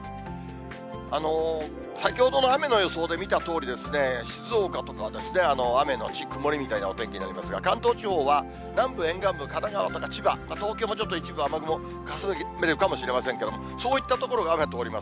先ほどの雨の予想で見たとおり、静岡とかは雨後曇りみたいなお天気になりますが、関東地方は南部沿岸部、神奈川とか千葉、東京はちょっと一部雨雲かすめるかもしれませんけれども、そういった所が雨通ります。